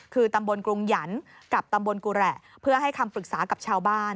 คือตำบลกรุงหยันกับตำบลกุแหละเพื่อให้คำปรึกษากับชาวบ้าน